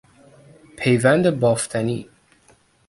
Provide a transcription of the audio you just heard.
پیوند بافتنی